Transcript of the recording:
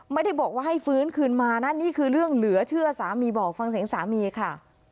ไม่ได้บอกว่าให้ฟื้นคืนมานะนี่คือเรื่องเหลือเชื่อสามีบอกฟังเสียงสามีค่ะ